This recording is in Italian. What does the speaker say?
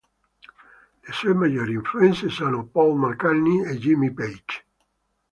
Le sue maggiori influenze sono Paul McCartney e Jimmy Page.